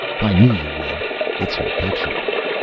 I knew you would. It's her picture."